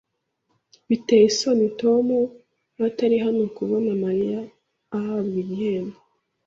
Biteye isoni Tom atari hano kubona Mariya ahabwa igihembo.